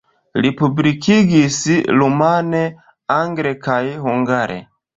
Li publikigis rumane, angle kaj hungare.